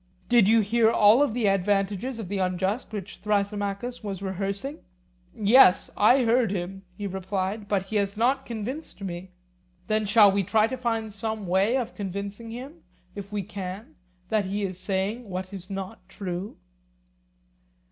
Did you hear all the advantages of the unjust which Thrasymachus was rehearsing? Yes, I heard him, he replied, but he has not convinced me. Then shall we try to find some way of convincing him, if we can, that he is saying what is not true?